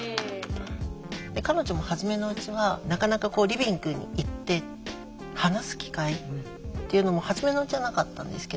彼女もはじめのうちはなかなかこうリビングに行って話す機会っていうのもはじめのうちはなかったんですけど。